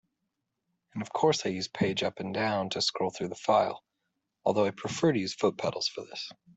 And of course I use page up and down to scroll through the file, although I prefer to use foot pedals for this.